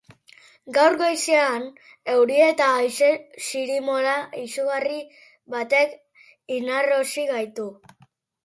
Gaur goizean, euri eta haize zirimola izugarri batek inarrosi gaitu.